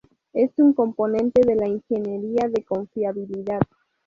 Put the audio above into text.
Es un componente de la ingeniería de confiabilidad.